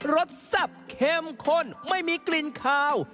สแซ่บเข้มข้นไม่มีกลิ่นขาว